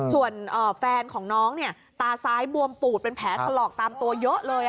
ส่วนแฟนของน้องเนี่ยตาซ้ายบวมปูดเป็นแผลถลอกตามตัวเยอะเลย